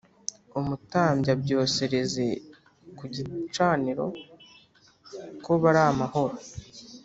Umutambyi abyosereze ku gicaniro ko bari amahoro